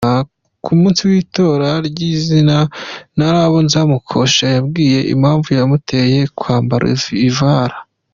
Ku munsi w’ itora nyir’ izina hari abo Nzamukosha yabwiye impamvu yamuteye kwambara ivara.